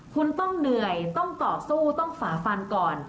คุณต้องเหนื่อยต้องต่อสู้ต้องฝาฟันก่อน